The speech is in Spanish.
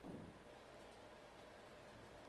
No puedo escribirla.